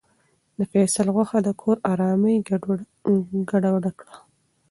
د فیصل غوسه د کور ارامي ګډوډه کړه.